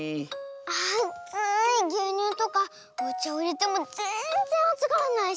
あついぎゅうにゅうとかおちゃをいれてもぜんぜんあつがらないし。